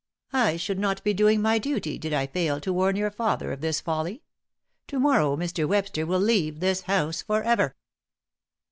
I should not be doing my duty did I fail to warn your father of this folly. To morrow Mr. Webster will leave this house for ever."